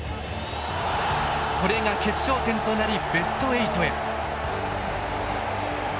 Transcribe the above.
これが決勝点となりベスト８へ。